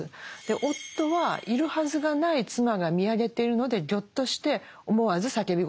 夫はいるはずがない妻が見上げているのでぎょっとして思わず叫び声を上げたと。